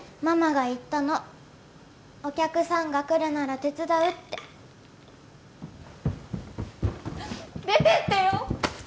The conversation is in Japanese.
ママが言ったのお客さんが来るなら手伝うって出てってよ！